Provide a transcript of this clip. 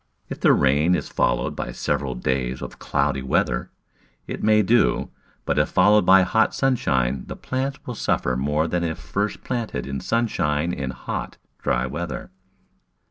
If the rain is followed by several days of cloudy weather, it may do, but if followed by hot sunshine the plants will suffer more than if first planted in sunshine in hot, dry weather.